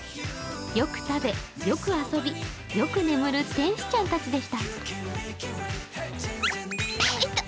よく食べ、よく遊び、よく眠る天使ちゃんたちでした。